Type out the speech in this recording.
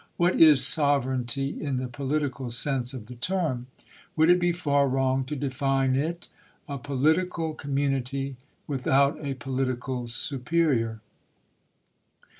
What is " sovereignty," in the political sense of the term ? Would it be far wrong to define it, " A political commu nity without a political superior